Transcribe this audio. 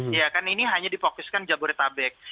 ya kan ini hanya dipokuskan jabodetabek